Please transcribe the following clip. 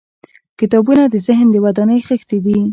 • کتابونه د ذهن د ودانۍ خښتې دي.